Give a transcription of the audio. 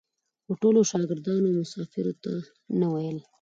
هوټلو شاګردانو مسافرو ته نه ویل.